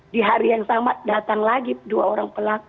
di hari yang sama datang lagi dua orang pelaku